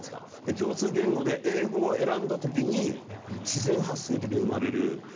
共通言語で英語を選んだ時に自然発生的に生まれる。